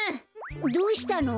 どうしたの？